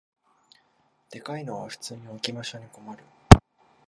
でかいのは普通に置き場所に困る